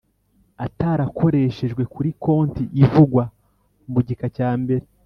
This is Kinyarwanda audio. atarakoreshejwe kuri konti ivugwa mu gika cya mbere